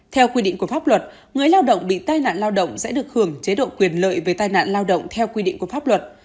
theo quy định của pháp luật người lao động bị tai nạn lao động sẽ được hưởng chế độ quyền lợi về tai nạn lao động theo quy định của pháp luật